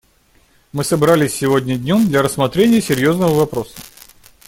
Мы собрались сегодня днем для рассмотрения серьезного вопроса.